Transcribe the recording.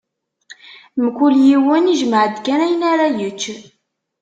Mkul yiwen ijmeɛ-d kan ayen ara yečč.